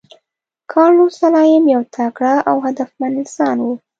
کارلوس سلایم یو تکړه او هدفمند انسان و.